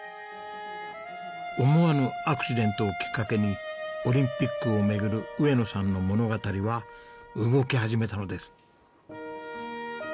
思わぬアクシデントをきっかけにオリンピックを巡る上野さんの物語は動き始めたのです。